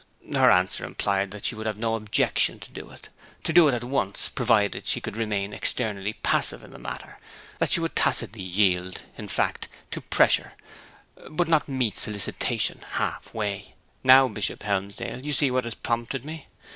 Her answer implied that she would have no objection to do it, and to do it at once, provided she could remain externally passive in the matter, that she would tacitly yield, in fact, to pressure, but would not meet solicitation half way. Now, Bishop Helmsdale, you see what has prompted me.